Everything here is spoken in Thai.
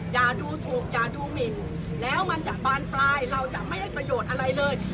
อย่าดูถูกอย่าดูหมินแล้วมันจะบานปลายเราจะไม่ได้ประโยชน์อะไรเลย